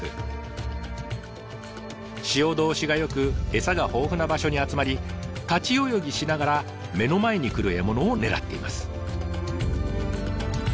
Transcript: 潮通しが良くエサが豊富な場所に集まり立ち泳ぎしながら目の前に来る獲物を狙っています。